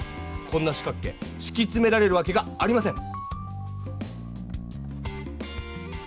こんな四角形しきつめられるわけがありません。